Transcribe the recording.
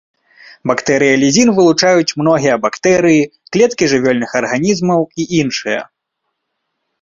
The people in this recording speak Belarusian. Бактэрыялізін вылучаюць многія бактэрыі, клеткі жывёльных арганізмаў і іншыя.